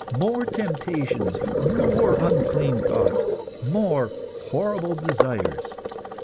More temptations! More unclean thoughts! More horrible desires!